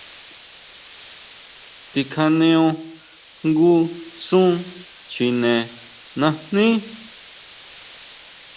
Tikjaneo jngu sún chjine najní.